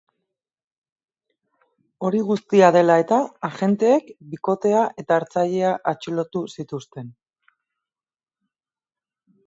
Hori guztia dela eta, agenteek bikotea eta hartzailea atxilotu zitiuzten.